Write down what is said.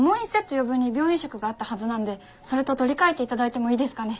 余分に病院食があったはずなんでそれと取り替えて頂いてもいいですかね。